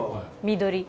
緑。